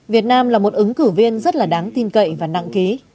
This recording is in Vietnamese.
việt nam là một ứng cử viên rất là đáng tin cậy và nặng ký